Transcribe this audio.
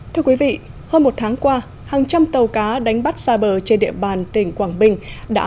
thưa quý vị hơn một tháng qua hàng trăm tàu cá đánh bắt xa bờ trên địa bàn tỉnh quảng bình đã